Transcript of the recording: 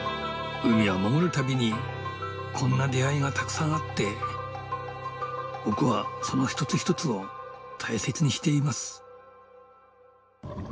海は潜るたびにこんな出会いがたくさんあって僕はその一つ一つを大切にしています。